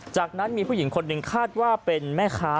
จากนั้นมีผู้หญิงคนหนึ่งคาดว่าเป็นแม่ค้า